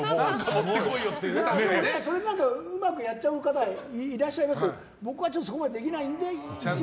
それなんかうまくやっちゃう方いらっしゃいますけど僕はそういうのができないので。